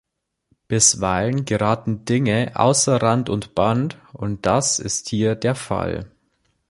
Bisweilen geraten Dinge außer Rand und Band, und das ist hier der Fall.